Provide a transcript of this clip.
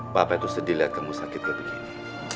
papa itu sedih lihat kamu sakit kayak begini